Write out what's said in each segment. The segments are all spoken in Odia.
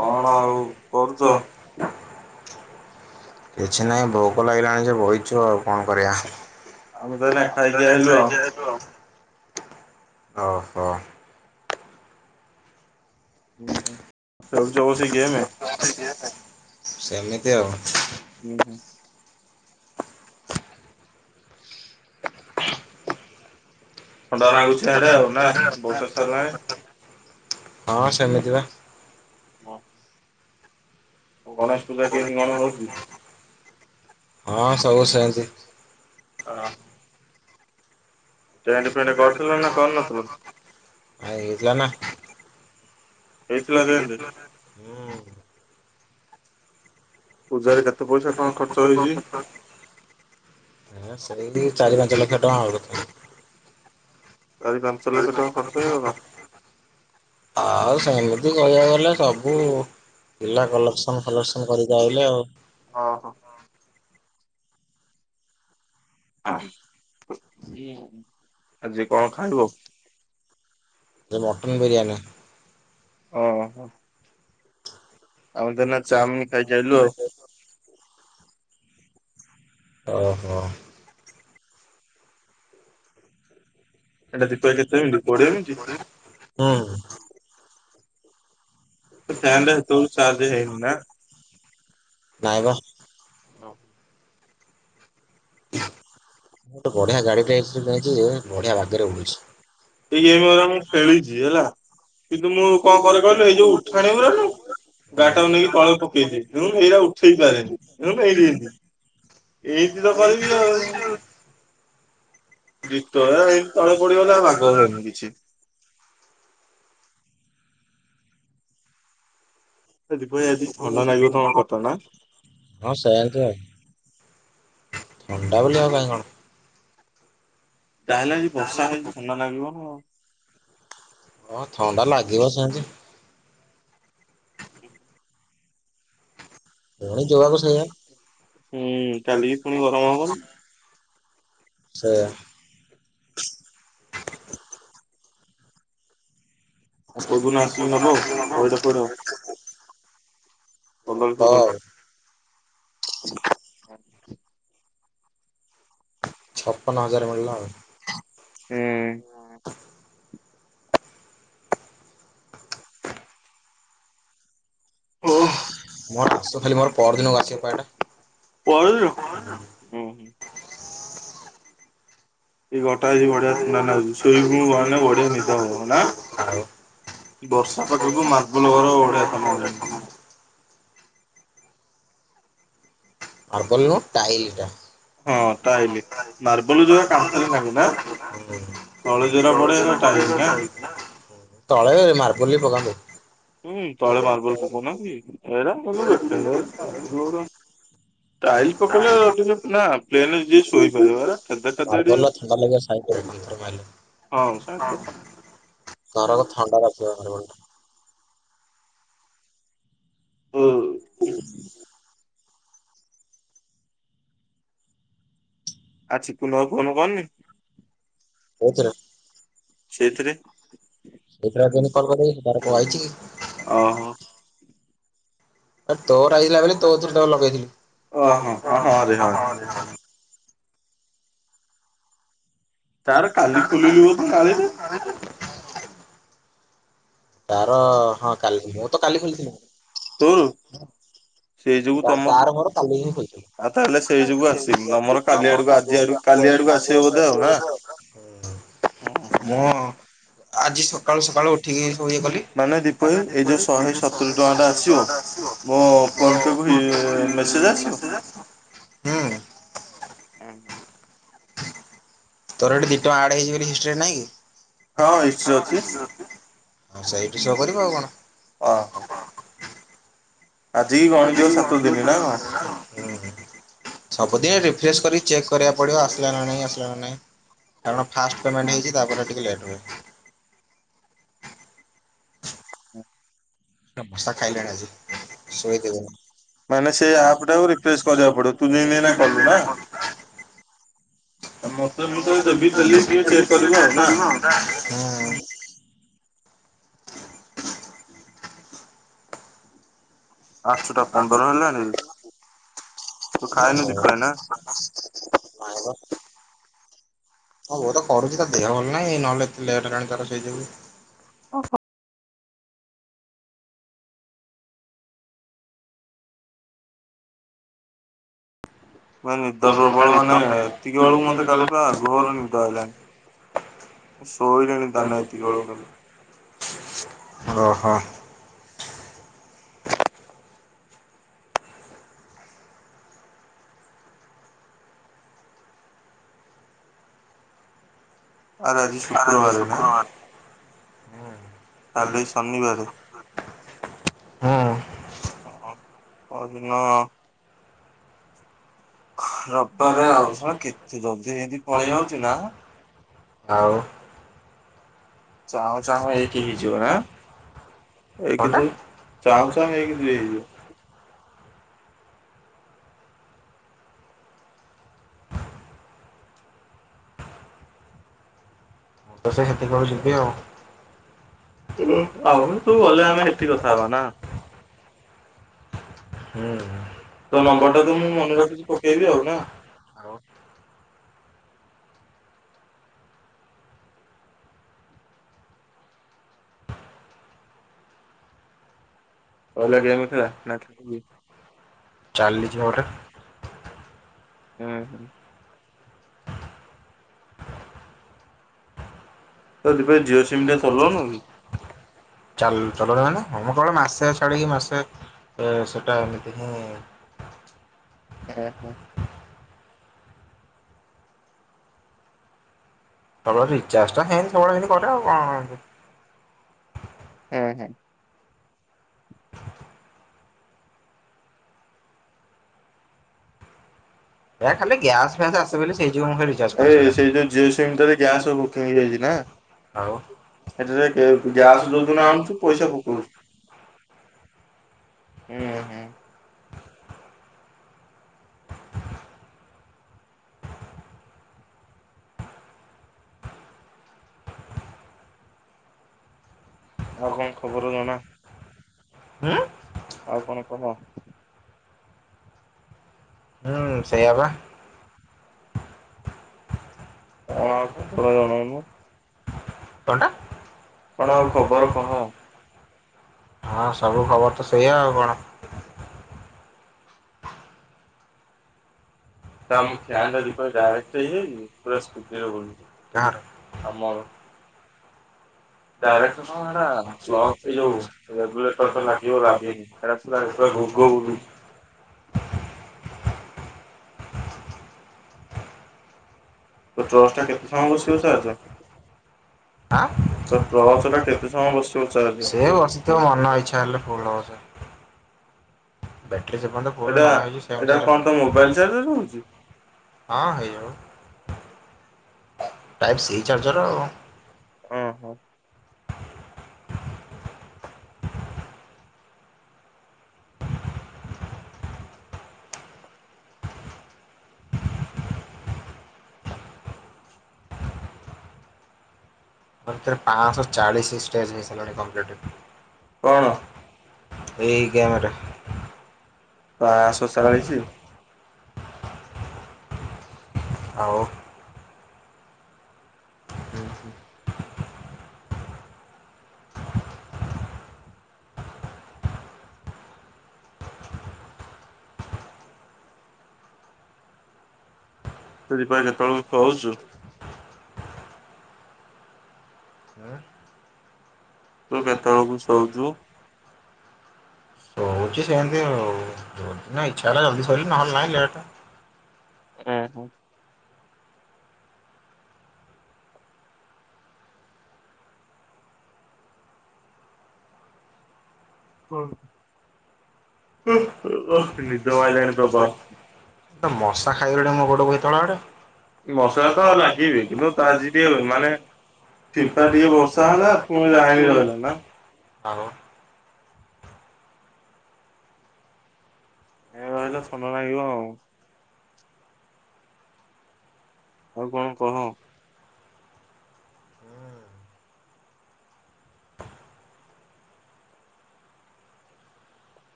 କଣ ଆଉ କରୁଚ? କିଛି ନାହିଁ ଭୋକ ଲାଗିଲାଣି ଯେ ବଇଚୁ ଆଉ କଣ କରିବା। ଅହୋ। ଖେଳୁଚ ବୋଧେ ଗେମ? ଉଁ ହୁଁ। ହଁ ସେମିତି ବା। ହଁ ସବୁ ସେନ୍ତି। ଆ ହେଇଥିଆ ନାଁ। ହୁଁ। ଏ ସେଇଠି ଚାରି ପାଞ୍ଚ ଲକ୍ଷ ଟଙ୍କା ଅ ଚାରି ପାଞ୍ଚ ଲକ୍ଷ ଟଙ୍କା ଖର୍ଚ୍ଚ ହେଇଗଲା? ଆଉ ସେମିତି କହିବାକୁ ଗଲେ ସବୁ ପିଲା କଲେକ୍ସନ ଭଲସେ କରିକି ଆଇଲେ ଆଉ। ଆଁ ଏଇଆ [unintelligible] ଆଜି କଣ ଖାଇବ? ଅହ। ଆମେ ତ ଏଇନା ଚାମିନ ଖାଇକି ଆଇଲୁ ଆଉ। ଅହ। ହୁଁ। ନାଇଁ ମ। ହଉ। ମୁଁ ଗୋଟେ ବଢ଼ିଆ ଗାଡ଼ିଟେ ଏକ୍ସ ଯାଇଥିଲି ବଢ଼ିଆ ବାଗରେ ଉଡୁଚି। ଏଇ କଣ ହେଲାଣି ଖେଳୁଛି ହେଲା କିନ୍ତୁ ମୁଁ କଣ କରେ କହିଲୁ ଏଇ ଯୋଉ ଉଠାଣି ଗୁରା ନୁହ ଗାଡି ଟାକୁ ନେଇକି ତଳେ ପକେଇଦେବୀ ମୁ ଏଇଟା ଉଠେଇ ପାରିନି। [unintelligible] ଗିତ ଗୁରା ଏମିତି ତଳେ ପଡିଗଲେ ଆଉ ବାଗ ହୁଏନି କିଛି। ହଁ ସେମଟି ଆଉ ଥଣ୍ଡା ବୋଲି କାଇଁ ଆଉ କଣ? ଜାହେଲେ ଆଜି ବର୍ଷା ହେଇଛି ଥଣ୍ଡା ଲାଗିବ ନା ଆଉ ହଁ ଥଣ୍ଡା ଲାଗିବ ସେଁତି। ହୁଁ ହୁ। ହୁଁ କାଲିକି ପୁଣି ଗରମ ହବନି? ସେୟା ଆଉ କୋଉଦିନ ଆସିକି ନବୁ ପଇଡ ଫଇଡ? ପନ୍ଦର ଷୋଳ ଆଡକୁ ଛପନ ହଜାର ମିଳିଲା ଆଉ।। ହଁ। ମୋର ଆଶୁ ଖାଲି ମୋର ପର ଦିନକୁ ଆସିବା ପା ଏଇଟା। ଏ ଘରଟା ଆଜି ବଢିଆ ଥଣ୍ଡା ନାଗୁଛି। ଶୁଇଲେ ବାରଣ୍ଡା ରେ ବଢିଆ ନିଦ ହବ ନା ବର୍ଷା ପାଗ କୁ ମାର୍ବଲ ଘର ବଢିଆ ଥଣ୍ଡା ନାଗିବ।। ମାର୍ବଲ ନୁହଁ ଟାଇଲଟା। ହଁ ଟାଇଲି ମାର୍ବଲ ଯୋଉ ଟା କାନ୍ଥ ନଗେ ତଳେ ଯୋଉଟା ପଡେ ଟାଇଲୀ। ତଳେ ମାର୍ବଲ ବି ପଡେ। ହୁଁ ତଳେ ମାର୍ବଲ ପକଉନାତି କି ଏରା ସୁଦୁ ବେକାରେ ଇଏରା ଟାଇଲ ପକେଇଲେ ଟିକେ ସିନା ପ୍ଲେନରେ ଯିଏ ଶୋଇପାରିବ ଏରା ଖେଦେ ଖେଦେ ଡିଆ ହଁ ସେ [unintelligible] ଆ ଚିକୁନୁ ଆଉ ଫୋନ କରନି ସେଇଥିରେ ଓହୋ ଆ ତୋର ଆଇଥିଲା ବୋଲି ତୋଥୁରୁ ତାକୁ ଲଗେଇଥିଲି। ଆ [unintelligible] ତାର ହଁ କାଲି ମୁଁ ତ କାଲି ଖୋଲିଥିଲି ତାର ମୋର କାଲି ହିଁ ଖୋଲିଥିଲୁ ମୁଁ ଆଜି ସକାଳୁ ସକାଳୁ ଉଠିକି ଓ ଇଏ କଲି ମାନେ ଦିପୁଭାଇ ଏଇ ଯୋଉ ଶହେ ସତୁରି ଟଙ୍କା ଟା ଆସିବ ମୋ ଫୋନ ପେ କୁ ମେସେଜ ଆସିବ। ହୁଁ। ଆ ହଁ। ତୋର ଏଠି ଦି ଟଙ୍କା ଆଡ ହେଇଯିବ ବୋଲି ହିଷ୍ଟ୍ରି ରେ ନାଇଁ କି ସେଇଠି ସୋ କରିବ ଆଉ କଣ ସବୁଦିନ ରିଫ୍ରେେଶ କରି ଚେକ୍ କରିବାକୁ ପଡ଼ିବ ଆସିଲା ନାହିଁ ଆସିଲା ନାହିଁ କାରଣ ଫାଷ୍ଟ ପେମେଣ୍ଟ ହେଇଛି ତାପରେ ଟିକେ ଲେଟ ହୁଏ। ହଁ। ମଶା ଖାଇଲେଣି ଆଜି ଶୁଏଇ ଦେବେନି ହୁଁ। [inaudible] ମ ନିଦ ପ୍ରବଳ ମାନେ ଏତିକି ବେଳକୁ ମତେ କାଲି ବା ଘୋର ନିଦ ଆଇଲାଣି ଶୋଇଲିଣି ତାନେ ଏତିକି ବେଳକୁ କାଲି ରହ ହୁଁ ପହରଦିନ ରବିବାର ଆଉଛି ଶଳା କେତେ ଜଲଦି ହେଇକି ପଳେଇ ଯାଉଛି ନା ଆଉ ଚାହୁଁ ଚାହୁଁ ଏକ ହେଇଯିବ ନା ଏକଦୁଇ ଚାହୁଁ ଚାହୁଁ ଏକଦୁଇ ହେଇଯିବ ଆଉ ତୁ ଗଲେ ଆମେ ସେଠି କଥା ହବା ନା? ହୁଁ। ତୋ ନମ୍ବରଟା ଦବୁ ମୁଁ ମୋ ଥିରେ ପକେଇବି ଆଉ ଅଲରେଡି [unintelligible] ଚାଲିଛି ପା ଗୋଟେ ହୁଁ। ଚାଲୁ ଚାଲଉନି ମାନେ ମୁଁ କହ ମାସେ ଛାଡିକି ମାସେ ସେଟା ଏମିତି ହିଁ ହଁ। ହୁଁ ହୁଁ। ଆଉ ସେ ଯୋଉ ଜିଓ ସିମଟାରେ ଗ୍ୟାସ୍ ର ବୁକିଙ୍କ ହେଇଯାଇଛିନା ସେଟାରେ ଗ୍ୟାସ ଯୋଉଦିନ ଆଣୁଛୁ ପଇସା ପକଉଛି ହୁଁ ହୁଁ। ଆଉ କଣ ଖବର ଜଣା ଆଉ କଣ କହ? ହୁଁ ସେୟା ପା କଣ ଆଉ ଖବର ଜଣଉନୁ? କଣଟା। କଣ ଆଉ ଖବର କହ? ହଁ ସବୁ ଖବର ତ ସେଇଆ ଆଉ କଣ? ଆମ ଫ୍ୟାନ୍ ଦିପୁ ଭାଇ ଡାଇରେକ୍ଟ ହେଇଯାଇନିକି ପୁରା ସ୍ପିଡି ରେ ବୁଲୁଛି ଆମ ଡ଼ାଇରେକ୍ଟର କଣ ସେଟା ପ୍ଲକ ଏ ଯଉ ରେଗୁଲେଟର ତ ଲାଗିବ ଲାଗିନି ଏଟା ପୁରା [unintelligible] ଘୋ ଘୋ ବୁଲୁଛି। ତୋ ଟ୍ରଚ ଟା କେତେ ସମୟ ବସିବ ଚାର୍ଜ ତୋ ଟ୍ରଚ ଟା କେତେ ସମୟ ବସିବ ଚାର୍ଜ? ବ୍ୟାଟେରୀ ଯେ ପର୍ଯ୍ୟନ୍ତ ପଡିନି [unintelligible] ସେଇ ଅନୁସାରେ ହଁ ହେଇଯିବ। ଓ ହୋ। ତା ଭିତରେ ପାଂଶହ ଚାଳିଶି ଷ୍ଟେଜ ହେଇସାରଲାଣି କଂପ୍ଲିଟ୍ ଏଇ ଗେମରେ ପାଂଶହ ଚାଳିଶି। ଆଉ। ହୁଁ ହୁଁ। ତୂ ଦିପୁ ଭାଈ କେତେବେଳକୁ ଶୋଉଚୁ? ତୁ କେତେବେଳକୁ ଶୋଉଚୁ? ହଉଛି ସେମତି ଆଉ। ଯଉ ଦିନ ଇଚ୍ଛା ହେଲା ଜଲ୍ଦୀ ଶୋଇଲି ନହେଲେ ନାଇଁ ଲେଟେ। ଓ ହୋ। ହଁ। ଓ ହୋ ନିଦ ମଇଲାଣି ପ୍ରବଳ ମଶା ତ ଲାଗିବେ କିନ୍ତୁ ତ ଆଜି ଟିକେ ମାନେ ଫିକା ଟିକେ ବର୍ଷା ହେଲା ପୁଣି ଲାଇନ ରହିଲା ନା। ଆଉ। ଏ ରହିଲା ସୌମ୍ୟ ମାଗିବ ଆଉ। ଆଉ କଣ କହ।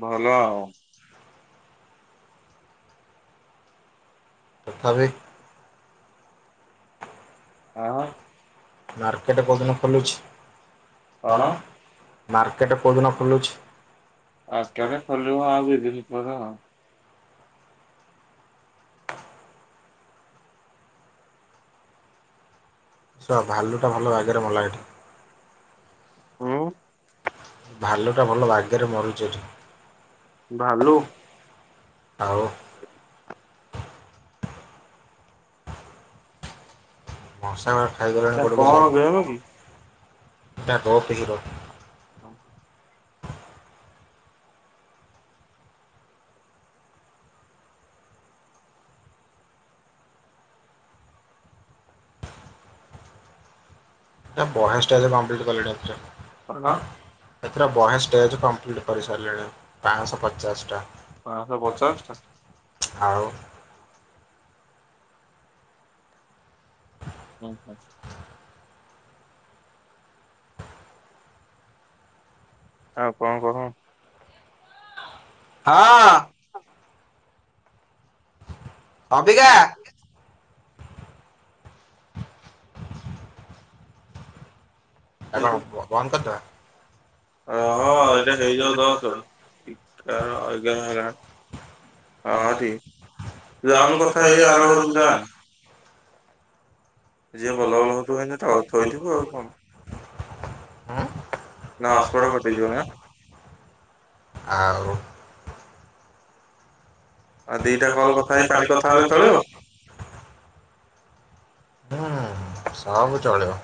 ଭଲ ଆଉ। ତଥାପି। ଆଜ କଣ ମାର୍କେଟ ଖୋଲିବ ଆଉ ଦି ଦିନ ପରେ ଆଉ। ! ! ! ! ! ! ! ! ! ! ଭାଲୁ ଟା ଭଲ ବାଗରେ ମଲା ଏଠି। ଭାଲୁ ଟା ଭଲ ବାଗେରେ ମରୁଚି ଏଠି ଆଉ। ମସା। ଖାଇଗଲାଣି। [unintelligible] ଏଟା ଦଷ୍ଟ ହିରୋ। ଏଇଟା ବହେସ ଟା ହେଲେ କମପିଲ୍ଟ କଲିଣୀ ଆକଚୁଆଲି।। ଏଥିରେ ବହେ ଷ୍ଟେଜ କମ୍ପ୍ଲିଟ କରିସାରିଲଣି ପାଆଁଶହ ପଚାଶ ଟା ଆଉ। ହୁଁ ହୁଁ। ଆଉ କଣ କହ। ହଁ। [unintelligible] ସେ ହହ ଏ ହେଇଯାଉ ଦ ଏ ଏଗାର ଅହତି ଯାଉନ କଥା ହେ ଆ ଘରୁକୁ ଯା ଯିଏ ବଲ ବଲ ହ ହେ ୋଇ ଦିବୁ ଆଉ କଣ। ହଁ ଆଉ। ଆଉ ଦିଟା କଣ କଥା ହେଇ କାଲି କଥା ହେଲେ ଚଳିବ। ହଁ ସବୁ ଚଳିବ।